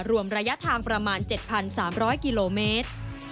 รวมระยะทางประมาณ๗๓๐๐กิโลเมตร